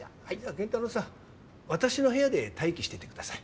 健太郎さん私の部屋で待機しててください。